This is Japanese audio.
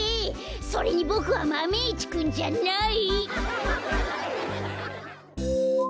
それにボクはマメ１くんじゃない！